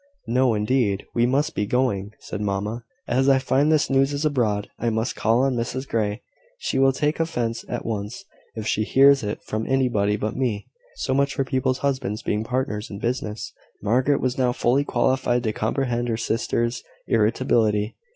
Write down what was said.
"No, indeed; we must be going," said mamma. "As I find this news is abroad, I must call on Mrs Grey. She will take offence at once, if she hears it from anybody but me. So much for people's husbands being partners in business!" Margaret was now fully qualified to comprehend her sister's irritability.